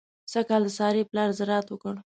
سږ کال د سارې پلار زراعت وکړ.